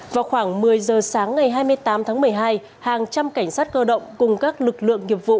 vào khoảng một mươi giờ sáng ngày hai mươi tám tháng một mươi hai hàng trăm cảnh sát cơ động cùng các lực lượng nghiệp vụ